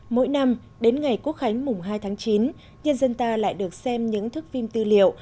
mỗi năm đến ngày quốc khánh mùng hai tháng chín nhân dân ta lại được xem những thức phim tư liệu